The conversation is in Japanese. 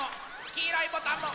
きいろいボタンも。